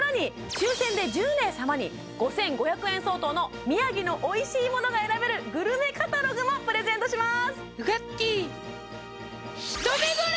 抽選で１０名様に５５００円相当の宮城のおいしいものが選べるグルメカタログもプレゼントします